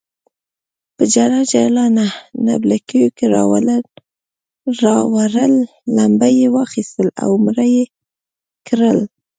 په جلا جلا نعلبکیو کې راوړل، لمبه یې واخیستل او مړه یې کړل.